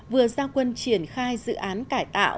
vừa ra quân triển khai dự án cải tạo